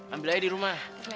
ambil aja di rumah